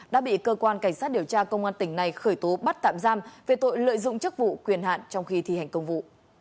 đã bị cơ quan cảnh sát điều tra công an tỉnh này khởi tố bắt tạm giam về tội lợi dụng chức vụ quyền hạn trong khi thi hành công vụ